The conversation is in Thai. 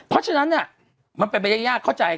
เพราะฉะนั้นมันเป็นบัยยากเข้าใจ